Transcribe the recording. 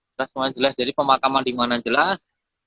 setelah semuanya jelas jadi pemakaman dimana jelas